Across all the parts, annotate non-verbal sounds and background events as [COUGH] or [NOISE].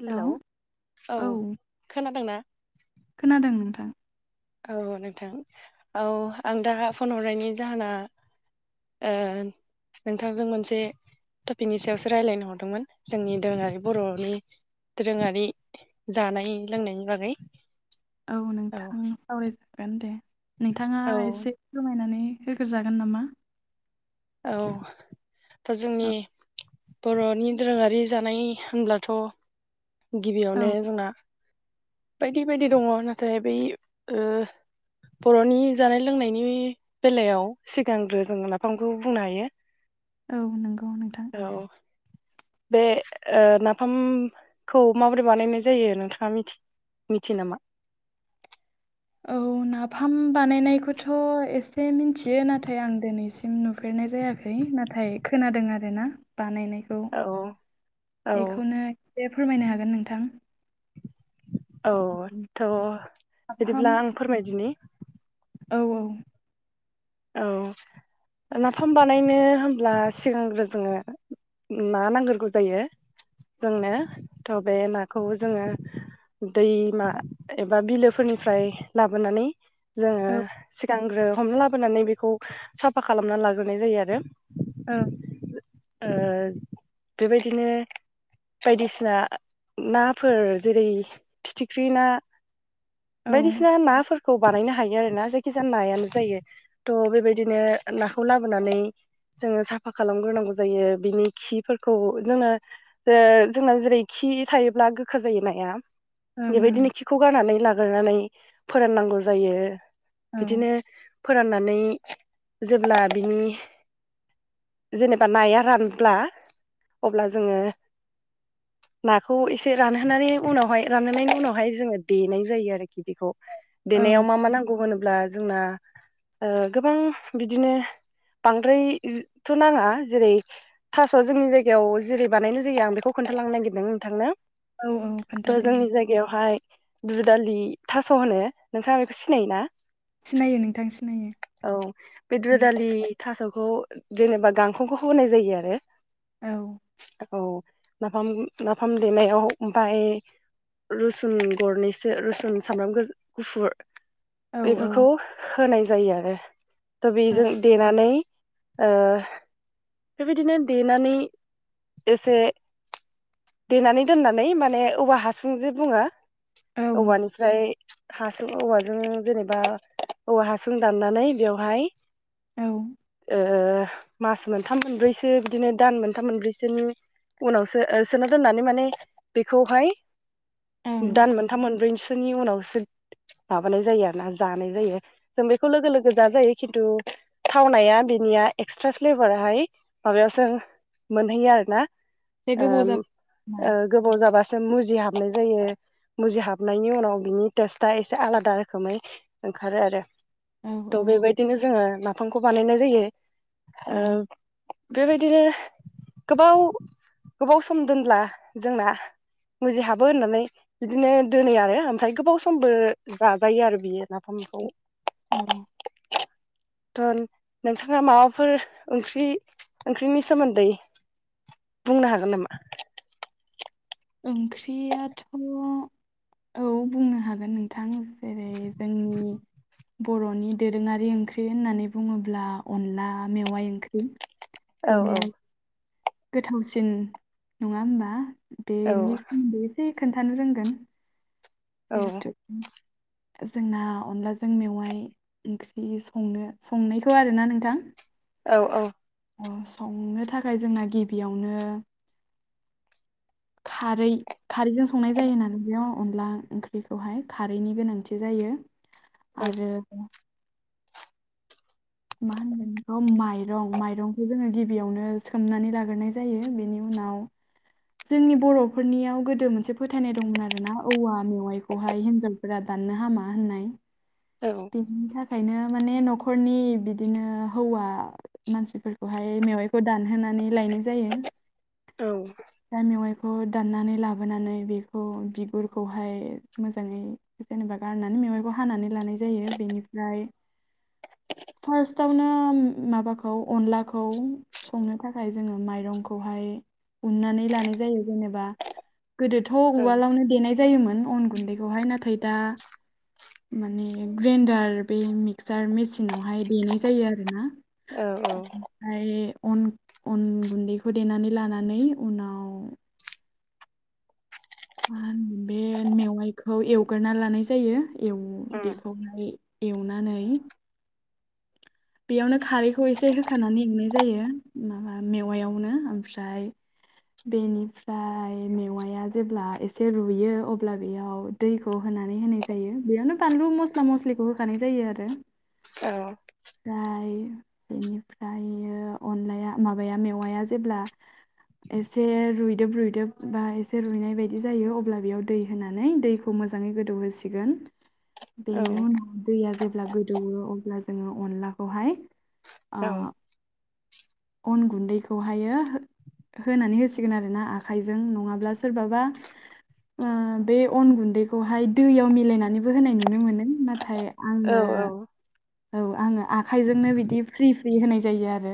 Hello hello औ औ खोनादोंना? खोनादों नोंथां औ नोंथां औ आं दा फन हरनायनि जाहोना ओ। नोंथांजों मोनसे टपिकनि सायावसो रायज्लायनो हरदोंमोन जोंनि दोरोङारि बर'नि दोरोङारि जानाय लोंनायनि बागै औ नोंथां सावरायजागोन दे नोंथाङा औ एसे जमायनानै होग्रजागोन नामा औ दा जोंनि औ बर'नि दोरोङारि जानाय होनब्लाथ' औ गिबियावनो जोंना बायदि बायदि दङ नाथाय बै ओ बर'नि जानाय लोंनायनि बेलायाव सिगांग्रो जोङो लााफांखौ बुंनो हायो औ नंगौ नोंथां औ ‌। बे नाफामखौ माबोरै बानायनाय जायो नोंथाङा मिथि मिथि नामा? औ नाफाम बानायनायखौथ' एसे मिन्थियो नाथाय आं दिनैसिम सिम नुफेरनाय जायाखै नाथाय खोनादों आर ना बानायनाय औ औ बेखौनो खसे फोरमायनो हागोन नोंथां औ थ' नाफाम बिदिब्ला आं फोरमायदिनि औ औ। औ नाफाम बानायनो होनब्ला सिगांग्रो जोङो ना नांग्रगौ जायो जोंनो‌ थ' बे नाखौ जोङो दैमा एबा बिलोफोरनिफ्राय लाबोनानै जोङो औ सिगांग्रो हमना लाबोनानै बेखौ साफा खालामना लाग्रोनाय जायो आरो ओ ओ बेबायदिनो बायदिसिना नाफोर जेरै फिथिख्रि ना ओं बायदिसिना नाफोरखौ बानायनो हायो आरोना। जायखिजाया नायानो जायो थ' बेबायदिनो नाखौ लाबोनानै जोङो साफा खालामग्रोनांगौ जायो बिनि खिफोरखौ जोङो जोंना जेरै खि थायोब्ला गोखा जायो नाया औ ओं बेबायदिनो खिखौ गारनानै लाग्रोनानै फोराननांगौ जायो ओं बिदिनो फोराननानै जेब्ला बिनि जेनेब्ला नाया रानब्ला अब्ला जोङो नाखौ एसे रानहोनायनि उनावहाय रानहोनायनि उनावहाय जोङो देनाय जायो आरोखि बेखौ औ देनायाव मा मा नांगौ होनोब्ला जोंना ओ गोबां बिदिनो बांद्रायथ' नाङा जेरै थास' जोंनि जायगायाव जेरै बानायनो जायो आं बेखौ खोन्थालांनो नागिरदों नोंथांनो औ औ खोन्था थ' दे जोंनि जायगायावहाय दु दालि थास' होनो नोंथाङा बेखौ सिनायोना? सिनायो नोंथां सिनायो औ बे उम, दुदालि थास'खौ जेनेबा गांखंखौ होनाय जायो आरो औ औ नाफाम नाफाम देनायाव आमफाय रुसुन गरनै रुसुन सामब्राम गुफुर औ बेफोरखौ होनाय जायो आरो थ' औ बेजों देनानै ओ बेबायदिनो देनानै एसे देनानै दोननानै माने औवा हासुं जे बुङो, औ औवानि आमफ्राय हासुं औवाजों जेनेबा औवा हासुं दाननानै बेवहाय औ मास मोनथाम मोनब्रैसो बिदिनो दान मोनथाम मोनब्रैसोनि उनावसो सोना दोननानै माने बेखौहाय ओं दान मोन मोनब्रैसोनि उनावसो माबानाय जायो आरो ना जानाय जायो जों बेखौ लोगो लोगो जाजायो खिन्थु थावनाया बिनिया एक्सट्रा फ्लेभाराहाय माबायावसो मोनहैयो आरो ना एसे ओ गोबाव जाबाय ना? ओ गोबाव जाबासो मुजि हाबनाय जायो। मुजिहाबनायनि उनाव बिनि टेस्टआ एसे आलादा रोखोमै ओंखारो आरो औ औ थ' बेबायदिनो जोङो नाफामखौ बानायनाय जायो। औ बेबायदिनो गोबाव गोबाव सम दोनब्ला जोंना मुजिहाबो होननानै बिदिनो दोनोयो आरो ओमफ्राय गोबाव समबो जाजायो आरो बियो नाफामखौ औ [UNINTELLIGIBLE] थ' नोंथाङा माबाफोर ओंख्रि ओंख्रिनि सोमोन्दै बुंनो हागोन नामा? ओंख्रियाथ' औ बुंनो हागोन नोंथां जेरै जोंनि [INAUDIBLE] बर'नि दोरोङारि ओंख्रि होननानै बुङोब्ला अनला मेवाइ ओंख्रि औ बिनो गोथावसिन नङा होमबा औ बेनि सोमोन्दै एसे खोन्थानो रोंगोन औ जिहेथु जोंना अनलाजों मेवाइ ओंख्रि संनो संनायखौ आरोना नोंथां औ औ संनो थाखाय जोंना गिबियावनो खारै खारैजों संनाय जायो नालाय बेयाव अनला ओंख्रिखौहाय खारैनि गोनांथि जायो आरो [UNINTELLIGIBLE] माइरं माइरंखौ जोङो गिबियावनो सोमनानै लाग्रोय जायो बेनि उनाव जोंनि बर'फोरनियाव गोदो मोनसे फोथायनाय दंमोन आरोना औवा मेवाइखौहाय हिनजाव फोरा दाननो हामा होननाय औ बिनि थाखायनो माने न'खरनि बिदिनो हौवा मानसिफोरखौहाय मेवाइखौ दानहोनानै लायनाय जायो औ दा मेवायखौ बेखौ दाननानै लाबोनानै बेखौ बिगुरखौहाय मोजाङै जेनेबा गारनानै मेवाइखौ हानानै लानाय जायो बेनिफ्राय फार्स्टावनो माबाखौ अनलाखौ संनो थाखाय जोङो माइरंखौहाय उननानै लानाय जायो जेनेबा गोदोथ' औ उम औ उवालावनो देनाय जायोमोन अन गुन्दैखौहाय नाथाय दा माने ग्राइन्डार बे मिक्सार मिसिनाव हाय देनाय जायो आरोना औ ओमफ्राय अन अन गुन्दैखौ देनानै लानानै उनाव [UNINTELLIGIBLE] बे मेवाइखौ एवगोरा लानाय जायो बेखौहाय एवनानै बेयावनो खारैखौ एसे होखानानै एवनाय जायो माबा मेवायावनो ओमफ्राय बेनिफ्राय मेवाया जेब्ला एसे रुयो अब्ला बेयाव दैखौ होनानै होनाय जायो बेयावनो बानलु मस्ला मस्लिखौ होखानाय जायो आरो औ ओमफ्राय बेनिफ्रियो अनलाया माबाया मेवाया जेब्ला एसे रुइदोब रुदोब बा एसे रुइनाय बायदि जायो अब्ला बेयाव दै होनानै दै खौ मोजाङै गोदौहोसिगोन औ बेनि उनाव दैया जेब्ला गोदौो अब्ला जोङो अनलाखौहाय औ उम औ अन गुन्दैखौहायो होनानै होसिगोन आरो ना आखाइजों नङाब्ला सोरबाबा बे अन गुन्दैखौहाय दैयाव मिलायनानैबो होनाय नुनो मोनो नाथाय औ आङो औ आङो आखाइजोंनो बिदि फ्रि फ्रि होनाय जायो आरो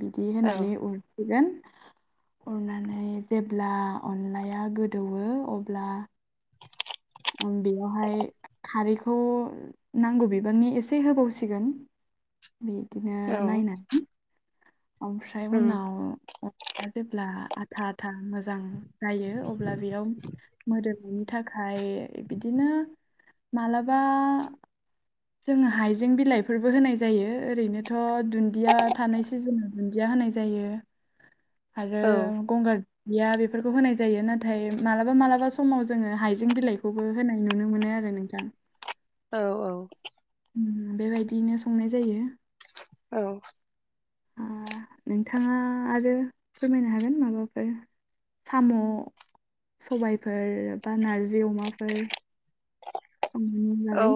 बिदि होनानै उर अरनानै जेब्ला अनलाया गोदौवो अब्ला बेयावहाय खारैखौ नांगौ बिबांनि एसे होबावसिगोन बिदिनो नायनानै ओमफ्राय उनाव जेब्ला आथा आथा मोजां जायो अब्ला बेयाव मोदोमनि थाखाय बिदिनो मालाबा जोङो हाइजें बिलाइफोरबो होनाय जायो ओरैनोथ' दुन्दिया थानाय सिजोनाव दुन्दिया होनाय जायो आरो गंगार गैया बेफोरखौ होनाय जायो नाथाय मालाबा मालाबा समाव जोङो हाइजें बिलाइखौ बो होनाय नुनो मोनो आरो नोंथां औ औ। बेबायदियैनो संनाय जायो। औ। नोंथाङा आरो फोरमायनो हागोन माबाफोर साम' सबायफोर बा नारजि अमाफोर उम औ नानै।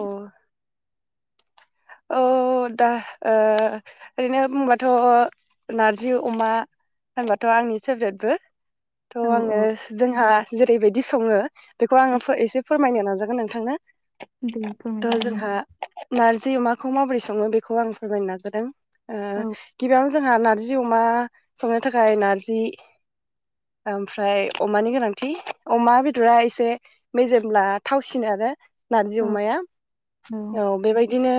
अ दा ओ ओरैनो बुंबाथ' नारजि अमा होनंबाथ' आंनि फेभ्रेटबो। औ थ' आङो औ जोंहा जेरैबायदि सङो बेखौ आङो फो एसे फो रमायनो नाजागोन नोंथांनो दे थ फोरमायजागोन नों। जोंहा नारजि अमाखौ माबोरै स सङो बेखौ आं फोरमायनो नाजादों ओ। औ गिबियावनो जोंहा नार्जि अमा संनो थाखाय नारजि ओमफ्राय अमानि गोनांथि अमा बेदरा एसे मेजेमब्ला थावसिनो आरो नारजि औ अमाया औ बेबायदिनो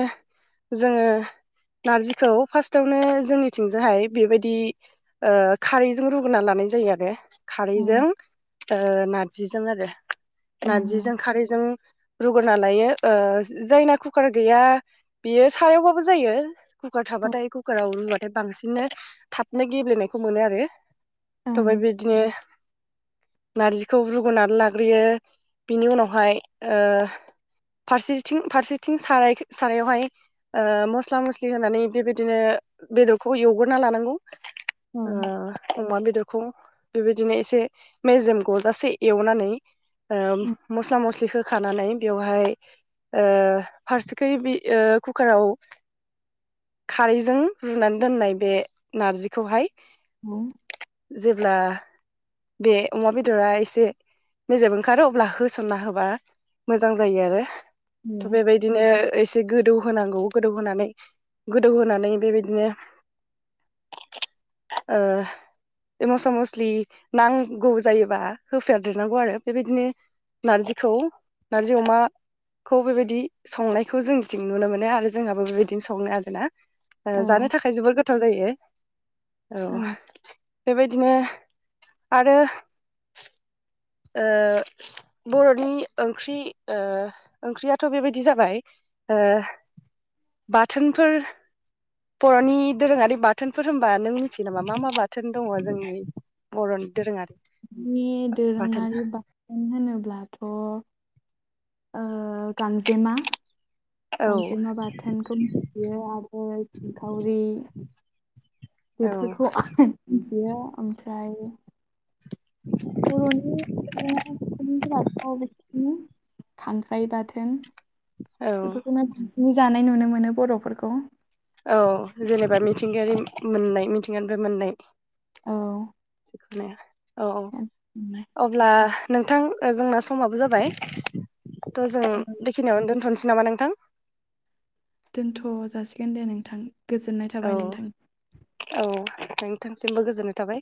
जोङो नारजिखौ फार्स्टआवनो जोंनिथिंजोहाय बेबायदि खारैजों रुगोनना लानाय जायो आरो। खारैजों ओ नारजिजों आरो औ नारजिजों खारैजों रुगोरना लायो ओ जायना कुकार गैया बियो सायावबाबो जायो। कुका औ थाबाथाय कुाराव रुवा बांसिननो थाबनो गेब्लेनायखौ मोनो आरो थ बे ओं बिदिनो नारजिखौ रुगनानै लाग्रोयो बिनि उनावहाय ओ फारसेथिं फारसेथिं सारायख सारायावहाय मस्ला मस्लि होनानै बेबायदिनो बेदरखौ एवगोरना लानांगौ। औ ओ अमा बेदरखौ बेबायदिनो एसे मेजेम गजासे एवनानै ओम उम, मस्ला मस्लि होख खानानै बेवहाय ओ फारसेखै बे कुकाराव खारैजों रुनानै दोननाय बे नारजिखौहाय औ। जेब्ला बे अमा बेदरा एसे मेजेब ओंखारो अब्ला होसनना होबा मोजां जायो आरो। दे थ' बेबायदिनो एसे गोदौ होनांगौ गोदौ होनोनानै गोदौहोनानै बेबायदिनो ओ मस्ला मस्लि नांगौ जायोबा होफादेरनांगौ आरो बेबायदिनो नार्जिखौ नारजि अमा खौ बेबायदि संनायखौ जोंथिं नुनो मोनो आरो जोंहाबो बेबायदिनो संनो आरो। ना ओ औ जानो थाखाय जोबोर गोथाव जायो औ। औ बेबायदिनो आरो ओ बर'नि ओंख्रि ओ ओंख्रियाथ' बेबायदि जाबाय ओ बाथोनफोर बर'नि दोरोङारि बाथोनफोर होमबा नों मिथियो नामा मा मा बाथोन दङ जोंनि बर'नो दोरोङारि नि बाथोन दोरोङारि बा थोन होनोब्लाथ' ओ गांजेमा औ गांजेमा बाथोनखौ मिथियो आरो सिंखावरि औ बेफोरखौ मि बियो ओमफ्राय [UNINTELLIGIBLE] खांख्राइ बाथोन औ बेफोरखौनो बांसिनै जानाय नुनो मोनो बर'फोरखौ। औ जेनेबा मिथिंगायारि मोननाय मिथिंगानिफ्राय औ मोननाय। औ औ अब्ला नोंथां ओ जोंना समाबो जाबाय थ' जों बेखिनियावनो दोनथ'नोसै नामा नोंथां। दोनथ' जासिगोन दे नोंथां गोजोननायथ औ औ नोंथांसिमबो गोजोननाय थाबाय।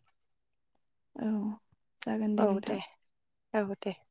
औ जागोन औ नोंथां दे औ दे।